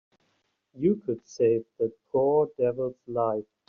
You could save that poor devil's life.